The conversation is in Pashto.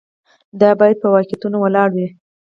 دا باید په واقعیتونو ولاړ وي.